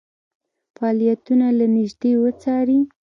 فعالیتونه له نیژدې وڅاري.